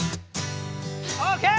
オーケー！